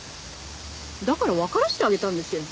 だからわからせてあげたんですよ。